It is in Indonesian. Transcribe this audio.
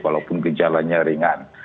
walaupun kejalanya ringan